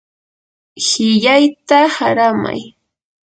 qillayta qaramay.